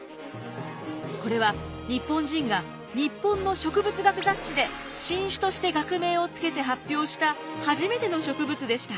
これは日本人が日本の植物学雑誌で新種として学名をつけて発表した初めての植物でした。